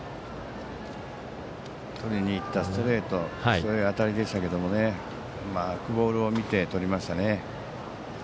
とりにいったストレート強い当たりでしたけどうまくボールを見てとりましたね。